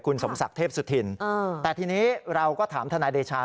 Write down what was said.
คุณสมศักดิ์เทพสุธินแต่ทีนี้เราก็ถามทนายเดชา